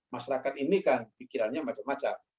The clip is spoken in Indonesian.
masyarakat ini kan pikirannya macam macam